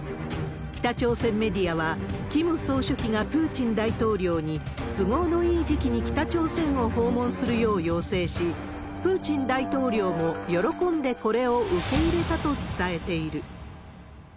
北朝鮮メディアは、キム総書記がプーチン大統領に、都合のいい時期に北朝鮮を訪問するよう要請し、プーチン大統領も喜んでこれを受け入れたと伝えている。